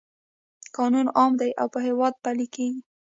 قانون عام دی او په هیواد پلی کیږي.